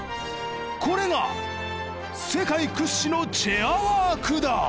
これが世界屈指のチェアワークだ。